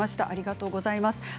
ありがとうございます。